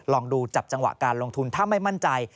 ลองดูจับจังหวะการลงทุนถ้าไม่มั่นใจ